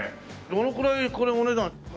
どのくらいこれお値段。